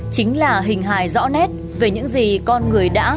chính là hình hài rõ nét về những gì con ngươi có thể tìm hiểu